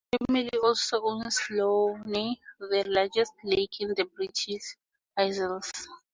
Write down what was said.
The family also owns Lough Neagh, the largest lake in the British Isles.